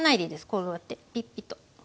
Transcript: こうやってピッピと。